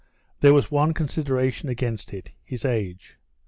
There was one consideration against it—his age.